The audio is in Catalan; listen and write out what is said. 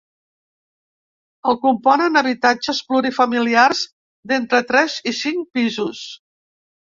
El componen habitatges plurifamiliars d'entre tres i cinc pisos.